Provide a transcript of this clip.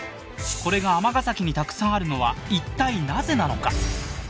これが尼崎にたくさんあるのは一体なぜなのか？